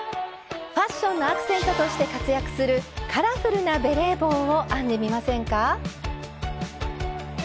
ファッションのアクセントとして活躍するカラフルなベレー帽を編んでみませんか？